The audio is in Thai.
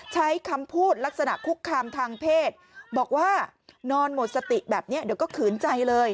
ใช้คำพูดลักษณะคุกคามทางเพศบอกว่านอนหมดสติแบบนี้เดี๋ยวก็ขืนใจเลย